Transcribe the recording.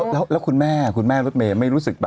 แล้วคุณแม่คุณแม่รถเมย์ไม่รู้สึกแบบ